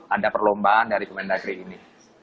ada perlombaan dari kemendagri ini